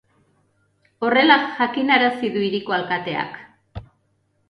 Horrela jakinarazi du hiriko alkateak.